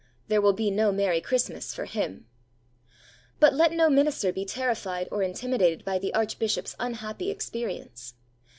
There will be no merry Christmas for him! But let no minister be terrified or intimidated by the Archbishop's unhappy experience.